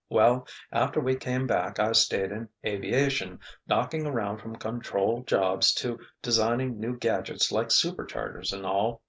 Well, after we came back I stayed in aviation, knocking around from control jobs to designing new gadgets like superchargers and all.